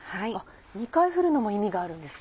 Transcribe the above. ２回振るのも意味があるんですか？